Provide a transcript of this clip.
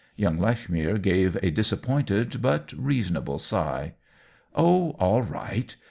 Young Lechmere gave a disappointed but reasonable sigh. " Oh, all right.